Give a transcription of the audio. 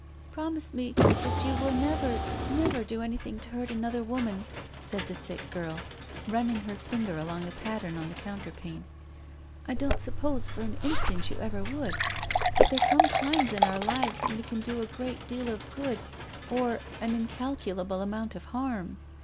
" Promise me that you will never, never do anything to hurt another woman," said the/ sick girl, running her finger along the pattern/ on the counterpane. " I don't suppose for an instant you ever would. But there come times in our lives when we can do a great deal of good, or an incalculable amount of harm.